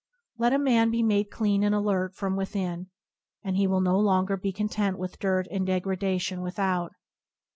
Let a man be made clean [43 ] and alert within, and he will no longer be content with dirt and degradation without.